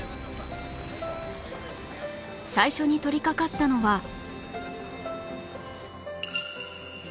最初に取りかかったのは